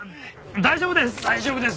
大丈夫です。